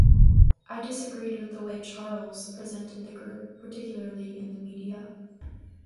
I disagreed with the way Charles presented the group, particularly in the media.